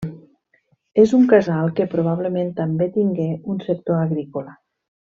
És un casal que probablement també tingué un sector agrícola.